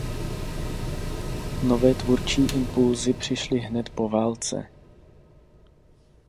Nové tvůrčí impulsy přišly hned po válce.